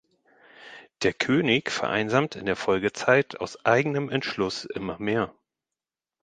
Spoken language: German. Der König vereinsamt in der Folgezeit aus eigenem Entschluss immer mehr.